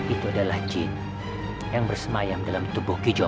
itulah jin yang bersemayam dalam tubuh kijoko